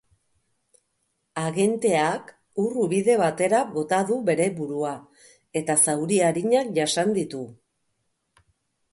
Agenteak ur-ubide batera bota du bere burua, eta zauri arinak jasan ditu.